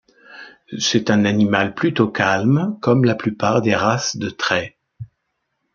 C'est un animal plutôt calme, comme la plupart des races de trait.